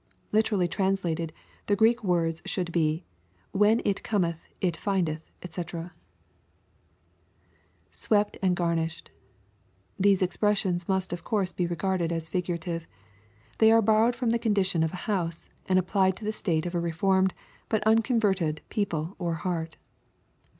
Literally translated, the Greek words should be, '*When it cometh, it findeth, &c" [Swept and garnished.] These expressions must of course be regarded as figurative. They are borrowed from the condition of a house, and applied to the state of a reformed, but unconverted, people or heart.